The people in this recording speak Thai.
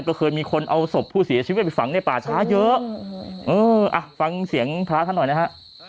ก็เคยมีคนเอาศพผู้เสียชีวิตไปฝังในป่าช้าเยอะเอออ่ะฟังเสียงพระท่านหน่อยนะฮะ